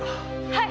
はい。